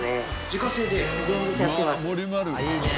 自家製で？